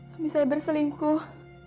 suami saya berselingkuh